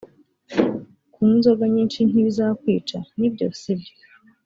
kunywa inzoga nyinshi ntibizakwica‽ ni byo si byo‽